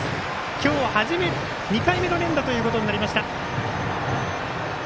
今日、２回目の連打ということになりました。